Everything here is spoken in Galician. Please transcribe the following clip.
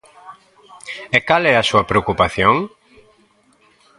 ¿E cal é a súa preocupación?